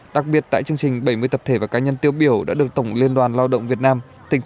đặc biệt tại chương trình bảy mươi tập thể và cá nhân tiêu biểu đã được tổng liên đoàn lao động việt nam